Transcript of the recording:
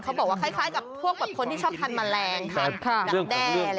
เขาบอกว่าคล้ายกับพวกคนที่ชอบทานแมลงทานดักแด้อะไรอย่างนี้